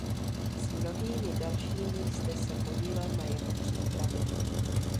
S mnohými dalšími jste se podílel na jeho přípravě.